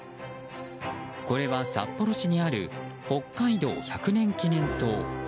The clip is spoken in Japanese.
これは札幌市にある北海道百年記念塔。